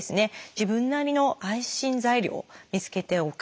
自分なりの安心材料を見つけておく。